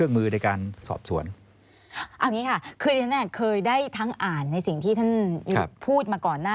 ซึ่งท่านก็พยายามแย้งท่านมาตลอดว่า